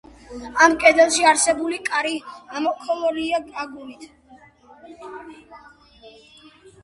ამ კედელში არსებული კარი ამოქოლილია აგურით.